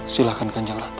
silahkan kanjong ratu